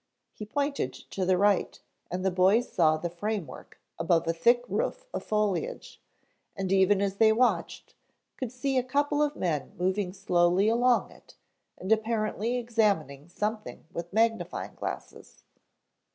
He pointed to the right and the boys saw the framework above a thick roof of foliage, and even as they watched, could see a couple of men moving slowly along it and apparently examining something with magnifying glasses.